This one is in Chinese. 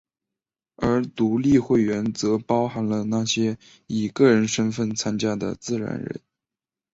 而独立会员则包含了那些以个人身份参加的自然人。